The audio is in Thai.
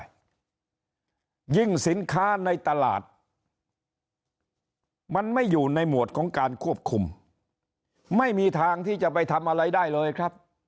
ยิ่งสินค้าในตลาดมันไม่อยู่ในหมวดของการควบคุมไม่มีทางที่จะไปทำอะไรได้เลยครับ